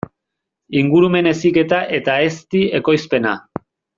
Ingurumen heziketa eta ezti ekoizpena.